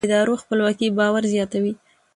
د ادارو خپلواکي باور زیاتوي